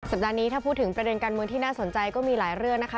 ปัดนี้ถ้าพูดถึงประเด็นการเมืองที่น่าสนใจก็มีหลายเรื่องนะคะ